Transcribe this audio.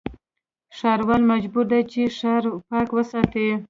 ښاروال مجبور دی چې، ښار پاک وساتي.